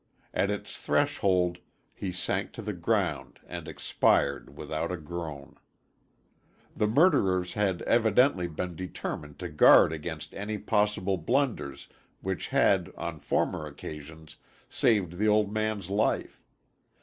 At its threshold he sank to the ground and expired without a groan. The murderers had evidently been determined to guard against any possible blunders which had, on former occasions, saved the old man's life.